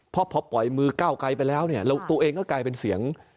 พอปล่อยมือก้าวไกลไปแล้วเนี่ยตัวเองก็กลายเป็นเสียง